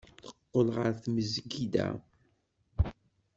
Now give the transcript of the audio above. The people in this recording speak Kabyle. Teqqel ɣer tmesgida.